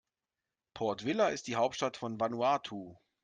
Port Vila ist die Hauptstadt von Vanuatu.